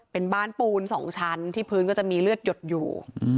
เป็นบ้านปูน๒ชั้นที่พื้นก็จะมีเลือดหยดอยู่